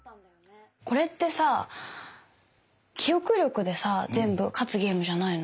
これってさ記憶力でさ全部勝つゲームじゃないの？